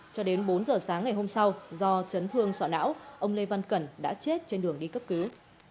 cho đến bốn giờ sáng ngày hôm sau do chấn thương sọ não ông lê văn cẩn đã chết trên đường đi cấp cứu